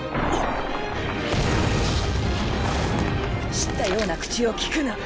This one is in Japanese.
知ったような口を利くな！